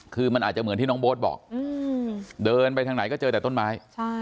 คือมันอาจจะเหมือนที่น้องโบ๊ทบอกเดินไปทางไหนก็เจอแต่ต้นไม้